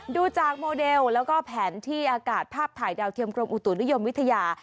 ดูจากโมเดลแล้วก็แผนที่อากาศภาพถ่ายดาวเทียมกรมอุตุนิยมวิทยา